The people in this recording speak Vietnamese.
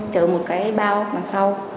chở một cái bao đằng sau